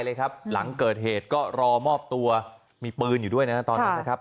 เลยครับหลังเกิดเหตุก็รอมอบตัวมีปืนอยู่ด้วยนะตอนนั้นนะครับ